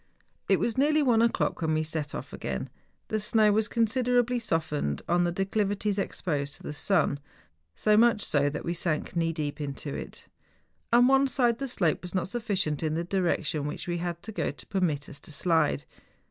It was nearly one o'clock when we set off again. The snow was considerably softened on the declivi¬ ties exposed to the sun, so much so that we sank knee deep into it. On one side the slope was not sufficient in the direction which we had to go to permit us to slide.